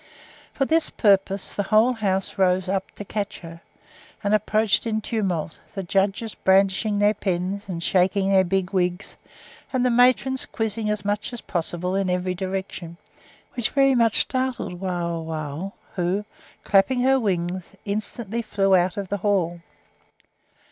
For this purpose the whole house rose up to catch her, and approached in tumult, the judges brandishing their pens, and shaking their big wigs, and the matrons quizzing as much as possible in every direction, which very much startled Wauwau, who, clapping her wings, instantly flew out of the hall.